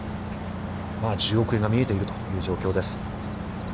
１０億円が見えているという状況です。